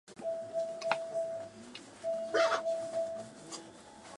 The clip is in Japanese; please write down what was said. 勇者の剣をぬきたい